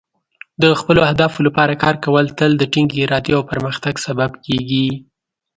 د خپلو اهدافو لپاره کار کول تل د ټینګې ارادې او پرمختګ سبب کیږي.